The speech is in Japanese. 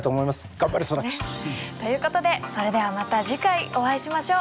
頑張れ空知！ということでそれではまた次回お会いしましょう。